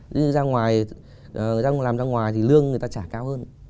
như ra ngoài người ta làm ra ngoài thì lương người ta trả cao hơn